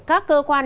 các cơ quan